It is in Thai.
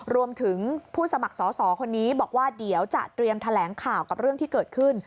รวมถึงผู้สมัครสอสอคนนี้บอกว่าเดี๋ยวจะเตรียมแถลงข่าวกับเรื่องที่เกิดขึ้น